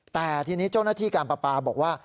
แต่ทีนี้เจ้าหน้าที่การประปาบอกว่า